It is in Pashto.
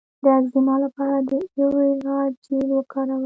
د اکزیما لپاره د ایلوویرا جیل وکاروئ